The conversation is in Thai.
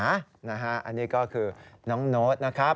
อันนี้ก็คือน้องโน้ตนะครับ